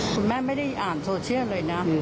คุณแม่ไม่ได้อ่านโซเชียลเลยนะ